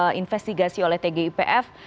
yang dilakukan investigasi oleh tgipf